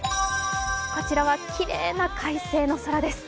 こちらはきれいな快晴の空です。